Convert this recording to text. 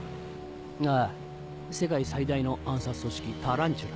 ああ世界最大の暗殺組織タランチュラ。